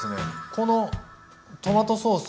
このトマトソース。